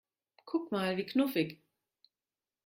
Guck mal, wie knuffig!